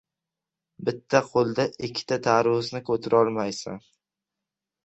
• Bitta qo‘lda ikki tarvuzni ko‘tarolmaysan.